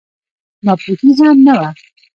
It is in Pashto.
ناپوهي هم نه وه.